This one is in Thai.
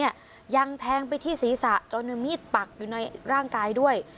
ยังแทงไปที่ศีรษะจนมีดปักอยู่ในร่างกายด้วย